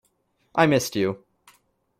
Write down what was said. I missed you.